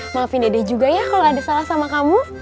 maafin dede juga ya kalau ada salah sama kamu